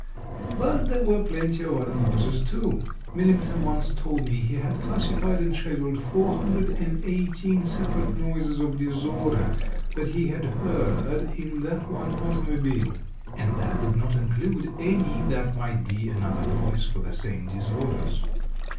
But there were plenty of other noises, too. Millington once told me he had classified and scheduled four hundred and eighteen separate noises of disorder that he had heard in that one automobile, and that did not include any that might be another noise for the same disorders.